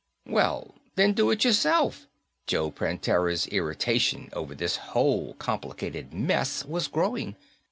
"Well, then do it yourself." Joe Prantera's irritation over this whole complicated mess was growing.